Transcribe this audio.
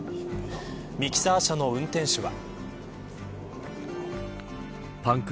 ミキサー車の運転手は。